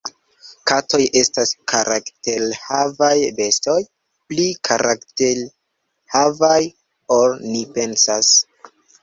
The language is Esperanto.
Katoj estas karakterhavaj bestoj, pli karakterhavaj ol ni pensas.